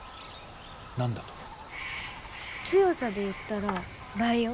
強さで言ったらライオン？